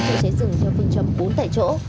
cho cháy rừng theo phương trầm bốn tại chỗ